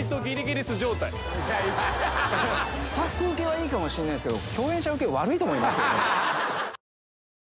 スタッフウケはいいかもしんないですけど。